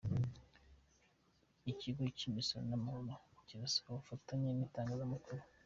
Ikigo cy’imisoro n’amahoro kirasaba ubufatanye n’Itangazamakuru